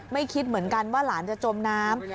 คิดเหมือนกันว่าหลานจะจมน้ำ